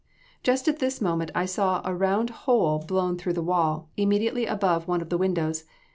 "Just at this moment I saw a round hole blown through the wall, immediately above one of the windows.